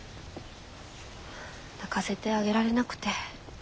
泣かせてあげられなくて。